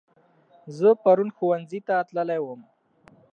زه پرون ښوونځي ته تللی وم